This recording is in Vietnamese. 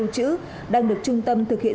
chữ đang được trung tâm thực hiện